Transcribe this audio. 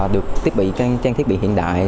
được trang thiết bị hiện đại